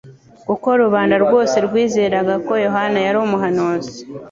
kuko rubanda rwose rwizeraga ko Yohana yari umuhanuzi.